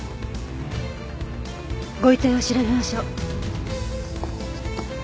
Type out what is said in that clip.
ご遺体を調べましょう。